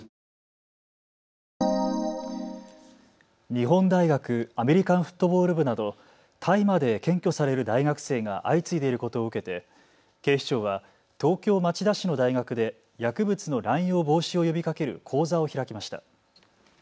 日本大学アメリカンフットボール部など大麻で検挙される大学生が相次いでいることを受けて警視庁は東京町田市の大学で薬物の乱用防止を呼びかける講座を開きました。